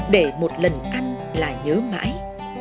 để một lần ăn là nhớ mãi